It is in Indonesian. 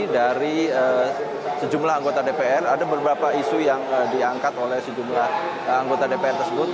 jadi sejumlah anggota dpr ada beberapa isu yang diangkat oleh sejumlah anggota dpr tersebut